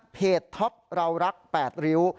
เพจท็อปเรารักแปดริ้ว